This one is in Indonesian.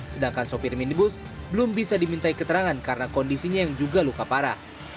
sedangkan sopir minibus belum bisa dimintai keterangan karena kondisinya yang juga luka parah